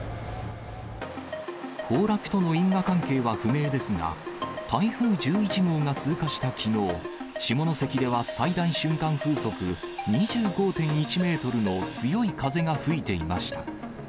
崩落との因果関係は不明ですが、台風１１号が通過したきのう、下関では、最大瞬間風速２５．１メートルの強い風が吹いていました。